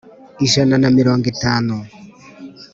Ijana na mirongo itanu